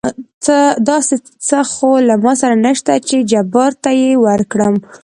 داسې څه خو له ما سره نشته چې جبار ته يې ورکړم.